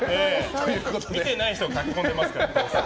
見てない人が書き込んでますから。